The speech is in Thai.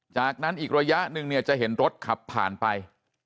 จากนั้นอีกระยะหนึ่งเนี่ยจะเห็นรถขับผ่านไป